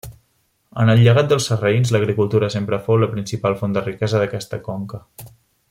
En el llegat dels sarraïns l'agricultura sempre fou la principal font de riquesa d'aquesta conca.